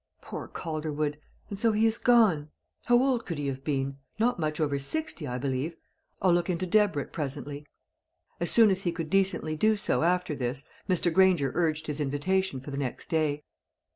Poor Calderwood! And so he is gone! How old could he have been? Not much over sixty, I believe. I'll look into Debrett presently." As soon as he could decently do so after this, Mr. Granger urged his invitation for the next day.